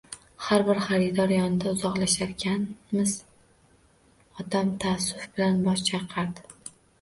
Har bir xaridor yonidan uzoqlasharkanmiz, otam taassuf bilan bosh chayqardi.